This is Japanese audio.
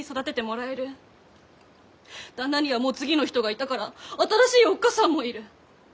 旦那にはもう次の人がいたから新しいおっ母さんもいる。